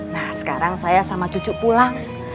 nah sekarang saya sama cucu pulang